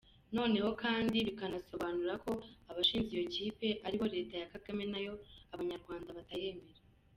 Noneho kandi, bikanasobanura ko abashinze iyo kipe aribo leta ya Kagame, nayo abanyarwanda batayemera.